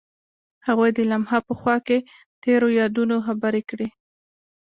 هغوی د لمحه په خوا کې تیرو یادونو خبرې کړې.